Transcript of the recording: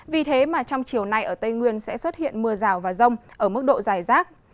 vì thế mà trong chiều nay ở tây nguyên sẽ xuất hiện mưa rào và rông ở mức độ dài rác